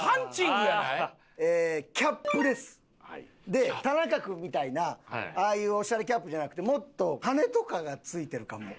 で田中君みたいなああいうオシャレキャップじゃなくてもっと羽根とかがついてるかも。